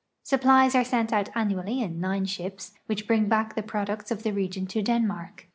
Supplies are sent out annually in nine shii)s, which luring back the products of the region to Denmark.